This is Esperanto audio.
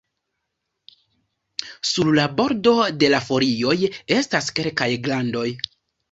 Sur la bordo de la folioj estas kelkaj glandoj.